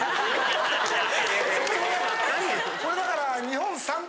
これだから。